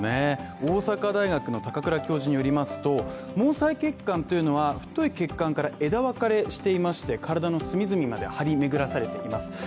大阪大学の高倉教授によりますと、ゴースト血管というのは、太い血管から枝わかれしていまして体の隅々まで張り巡らされています。